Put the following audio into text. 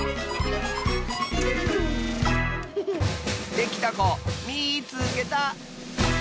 できたこみいつけた！